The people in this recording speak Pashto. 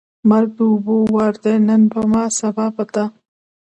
مرګ د اوبو وار دی نن په ما ، سبا په تا.